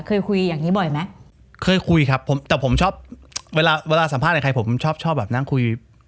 เคยคุยอย่างงี้บ่อยไหมเคยคุยครับผมแต่ผมชอบเวลาเวลาสัมภาษณ์กับใครผมชอบชอบแบบนั่งคุย